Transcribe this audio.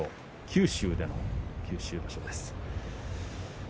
九州での九州場所です。